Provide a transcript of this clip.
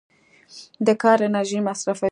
د کار انرژي مصرفوي.